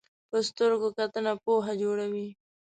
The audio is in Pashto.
په سترګو کتنه پوهه جوړوي